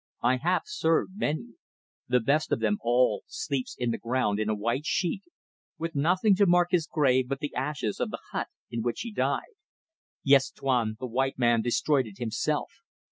I have served many. The best of them all sleeps in the ground in a white sheet, with nothing to mark his grave but the ashes of the hut in which he died. Yes, Tuan! the white man destroyed it himself.